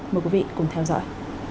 mời quý vị cùng theo dõi